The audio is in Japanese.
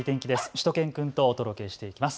しゅと犬くんとお届けしていきます。